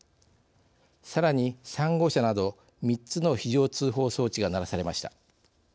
さらに３号車など３つの非常通報装置が鳴らされました。